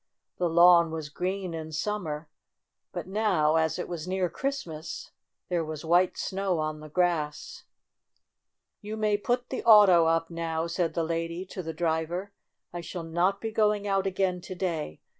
The lawn was green in summer, but now, as it was near Christmas, there was white snow on the grass. "You may put the auto up now," said the lady to the driver. "I shall not be go ing out again to day.